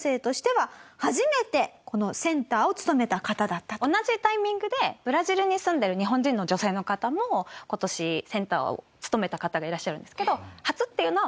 ＰＩＥＴＥＲさんが同じタイミングでブラジルに住んでる日本人の女性の方も今年センターを務めた方がいらっしゃるんですけど。